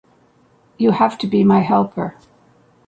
You have to be my helper.